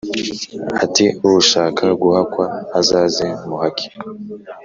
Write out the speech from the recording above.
ati"uwushaka guhakwa azaze muhake"